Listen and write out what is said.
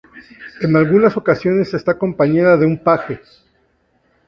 En algunas ocasiones está acompañada de un paje.